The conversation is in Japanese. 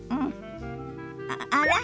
あら？